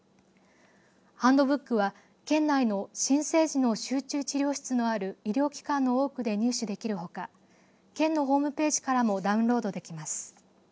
ハンドブックは県内の新生児の集中治療室のある医療機関の多くで入手できるほか県のホームページからもダウンロードできます。